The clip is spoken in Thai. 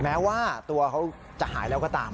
แม้ว่าตัวเขาจะหายแล้วก็ตาม